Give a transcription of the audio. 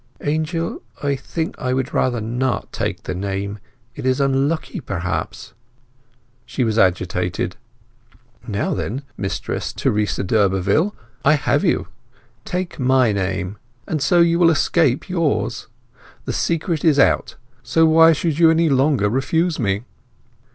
"Angel, I think I would rather not take the name! It is unlucky, perhaps!" She was agitated. "Now then, Mistress Teresa d'Urberville, I have you. Take my name, and so you will escape yours! The secret is out, so why should you any longer refuse me?"